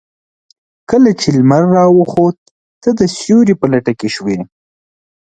کله چې لمر راوخت تۀ د سيوري په لټه کې شوې.